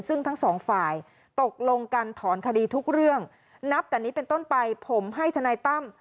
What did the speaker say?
ซึ่งทั้งสองฝ่ายตกลงกันถอนคดีทุกเรื่องนับแต่นี้เป็นต้นไปผมให้ทนายตั้ม